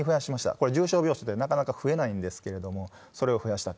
これ、重症病床ってなかなか増えないんですけれども、それを増やした。